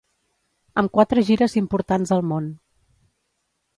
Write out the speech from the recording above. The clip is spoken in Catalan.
Amb quatre gires importants al món.